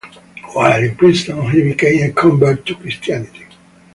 While in prison, he became a convert to Christianity.